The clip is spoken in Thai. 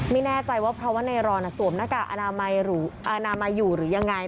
ไม่แน่ใจว่าเพราะว่าเนรอนสวมหน้ากากอนามัยอยู่หรือยังไง